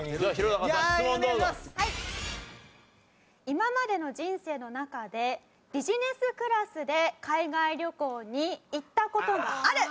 今までの人生の中でビジネスクラスで海外旅行に行った事がある。